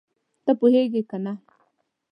ته پوهېږې که نه؟